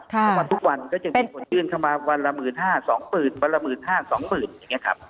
ทุกวันทุกวันก็จะมีคนยื่นเข้ามาวันละ๑๕๐๐๒๐๐๐วันละ๑๕๐๐๒๐๐๐อย่างนี้ครับ